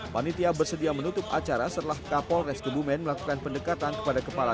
panitia bersedia menutup acara setelah kapolres kebumen melakukan pendekatan kepada kepala